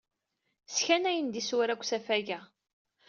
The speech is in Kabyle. Sskanayen-d isura deg usafag-a?